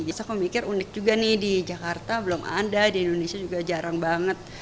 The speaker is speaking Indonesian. jadi aku mikir unik juga nih di jakarta belum ada di indonesia juga jarang banget